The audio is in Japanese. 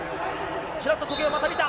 ちらっと時計をまた見た。